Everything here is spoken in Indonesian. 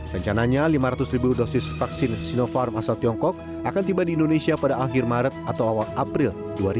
rencananya lima ratus ribu dosis vaksin sinopharm asal tiongkok akan tiba di indonesia pada akhir maret atau awal april dua ribu dua puluh